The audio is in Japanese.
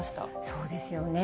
そうですよね。